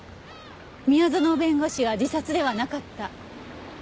宮園弁護士は自殺ではなかった。